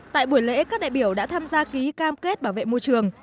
tại buổi lễ các đại biểu đã tham gia ký cam kết bảo vệ môi trường